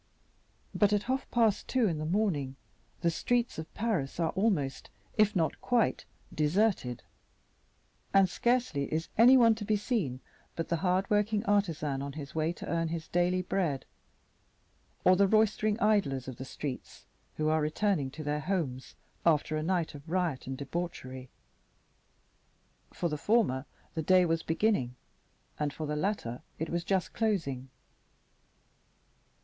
But at half past two in the morning, the streets of Paris are almost, if not quite, deserted, and scarcely is any one to be seen but the hard working artisan on his way to earn his daily bread or the roistering idlers of the streets, who are returning to their homes after a night of riot and debauchery; for the former the day was beginning, and for the latter it was just closing.